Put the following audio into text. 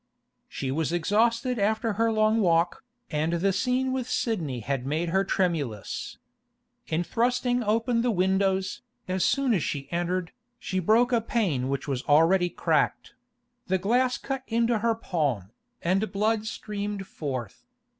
She was exhausted after her long walk, and the scene with Sidney had made her tremulous. In thrusting open the windows, as soon as she entered, she broke a pane which was already cracked; the glass cut into her palm, and blood streamed forth.